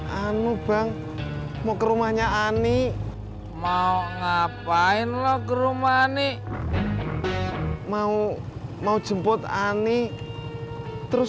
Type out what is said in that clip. anu bang mau ke rumahnya ani mau ngapain lo ke rumah nih mau mau jemput ani terus